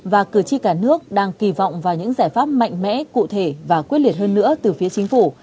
và cử tri cả nước đang kỳ vọng vào những giải pháp mạnh mẽ cụ thể và quyết liệt hơn nữa từ phía chính phủ